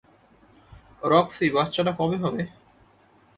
Roxie, বাচ্চাটা কবে হবে?